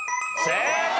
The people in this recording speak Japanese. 正解！